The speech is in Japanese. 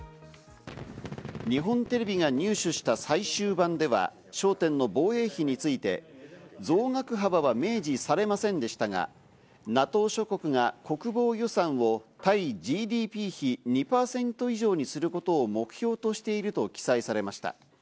日本テレビが入手した最終版では焦点の防衛費について、増額幅は明示されませんでしたが、ＮＡＴＯ諸国が国防予算を対ＧＤＰ比２％以上にすることを目標としていると記載されました。